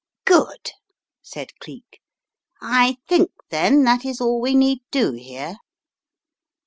"Good," said Cleek, "I think, then, that is all we aeeddohere."